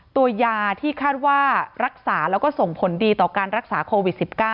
ตัวยาที่คาดว่ารักษาแล้วก็ส่งผลดีต่อการรักษาโควิด๑๙